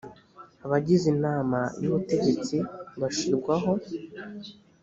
abagize inama y ubutegetsi bashirwaho